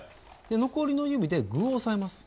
で残りの指で具を押さえます。